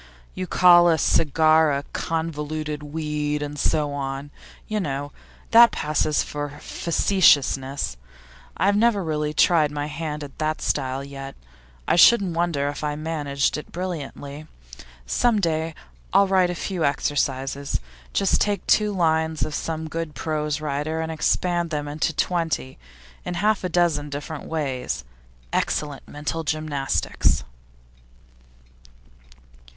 You call a cigar a "convoluted weed," and so on, you know; that passes for facetiousness. I've never really tried my hand at that style yet; I shouldn't wonder if I managed it brilliantly. Some day I'll write a few exercises; just take two lines of some good prose writer, and expand them into twenty, in half a dozen different ways. Excellent mental gymnastics!